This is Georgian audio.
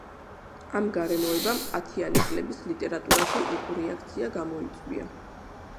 ამ გარემოებამ ათიანი წლების ლიტერატურაში უკურეაქცია გამოიწვია.